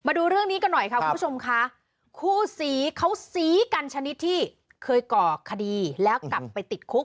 ดูเรื่องนี้กันหน่อยค่ะคุณผู้ชมค่ะคู่สีเขาสีกันชนิดที่เคยก่อคดีแล้วกลับไปติดคุก